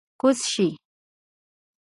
کوز شئ!